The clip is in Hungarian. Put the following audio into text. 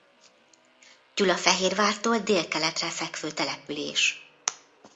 Gyulafehérvártól délkeletre fekvő település.